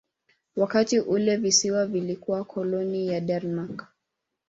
Wakati ule visiwa vilikuwa koloni ya Denmark.